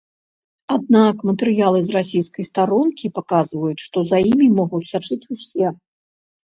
Аднак матэрыялы з расійскай старонкі паказваюць, што за імі могуць сачыць усе.